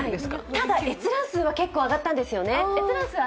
ただ、閲覧数はちょっと上がったんですよね？